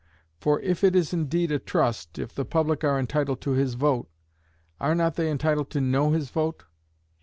For if it is indeed a trust, if the public are entitled to his vote, are not they entitled to know his vote?